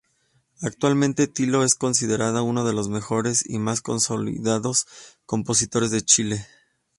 Actualmente "Tilo" es considerado uno de los mejores y más consolidados compositores de Chile.